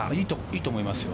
いいと思いますよ。